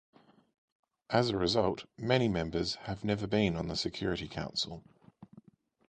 As a result, many members have never been on the Security Council.